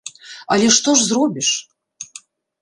Але што ж зробіш?